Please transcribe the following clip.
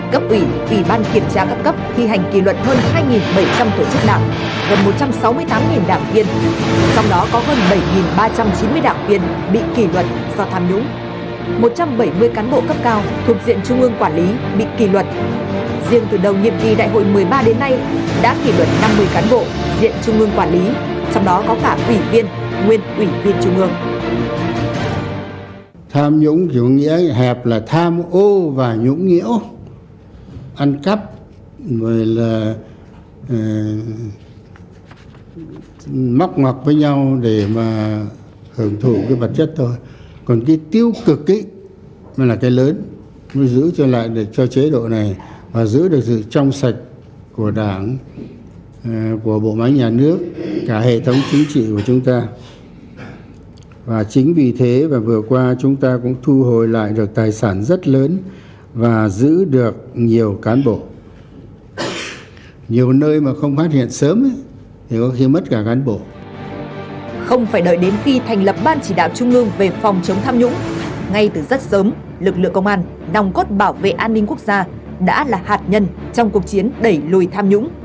cấp ủy ủy ban kiểm tra cấp cấp thi hành kỷ luật hơn hai bảy trăm linh tổ chức đảng gần một trăm sáu mươi tám đảng viên trong đó có gần bảy ba trăm chín mươi đảng viên bị kỷ luật do tham nhũng